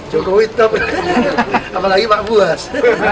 jokowi tetap apalagi pak buas